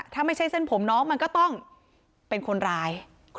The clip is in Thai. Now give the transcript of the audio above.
ถ้าไม่ใช่เส้นผมน้องมันก็ต้องเป็นคนร้าย